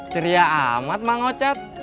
ceria amat mang ocad